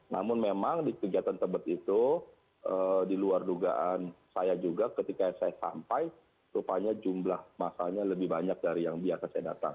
namun memang di kegiatan tebet itu di luar dugaan saya juga ketika saya sampai rupanya jumlah masanya lebih banyak dari yang biasa saya datang